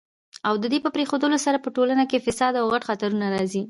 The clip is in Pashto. او ددي په پريښودلو سره په ټولنه کي فساد او غټ خطرونه راځي